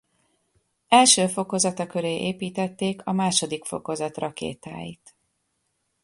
Első fokozata köré építették a második fokozat rakétáit.